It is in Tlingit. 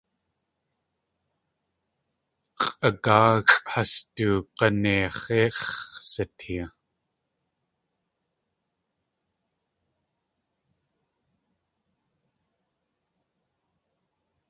X̲ʼagáaxʼ has du g̲aneix̲íx̲ sitee.